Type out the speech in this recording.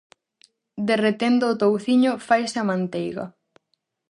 Derretendo o touciño faise a manteiga.